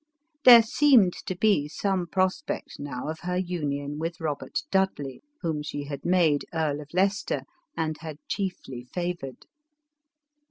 There seemed to be some prospect now of her union with Robert Dudley, whom she had made Earl of Leicester, and had chiefly favored.